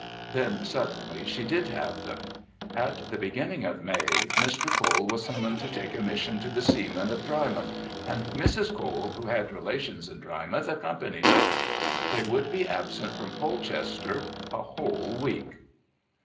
Then suddenly she did have them. At the beginning of May Mr. Cole was summoned to take a mission to the seamen of Drymouth, and Mrs. Cole, who had relations in Drymouth, accompanied him. They would be absent from Pelchester a whole week.